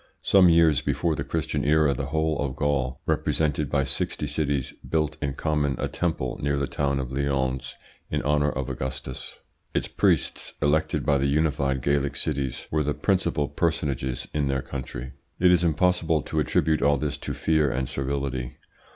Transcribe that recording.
Some years before the Christian era the whole of Gaul, represented by sixty cities, built in common a temple near the town of Lyons in honour of Augustus. ... Its priests, elected by the united Gallic cities, were the principal personages in their country. ... It is impossible to attribute all this to fear and servility.